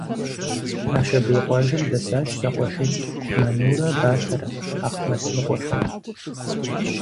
Ашабей къуажэм дэсащ зэкъуэшитӀ Нанурэ Батэрэ - Ахъмэт и къуэхэу.